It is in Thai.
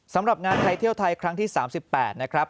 สำหรับงานไทยเที่ยวไทยครั้งที่๓๘นะครับ